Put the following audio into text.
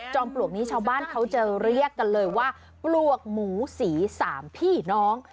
ปลวกนี้ชาวบ้านเขาจะเรียกกันเลยว่าปลวกหมูสีสามพี่น้อง